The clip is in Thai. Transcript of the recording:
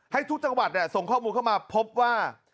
ให้ทุกจังหวัดส่งข้อมูลเข้ามาพบว่า